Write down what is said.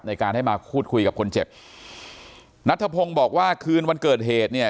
ในการให้มาพูดคุยกับคนเจ็บนัทธพงศ์บอกว่าคืนวันเกิดเหตุเนี่ย